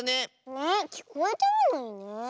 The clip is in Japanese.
ねえきこえてるのにね。